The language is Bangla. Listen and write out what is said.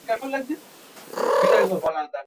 প্লীজ, আমরা স্বাধীন।